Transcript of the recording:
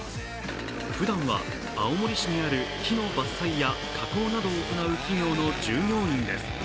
ふだんは青森市にある木の伐採や加工など行う企業の従業員です。